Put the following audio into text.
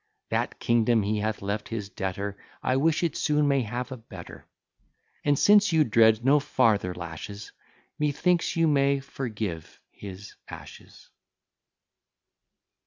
That kingdom he hath left his debtor, I wish it soon may have a better." And, since you dread no farther lashes Methinks you may forgive his ashes.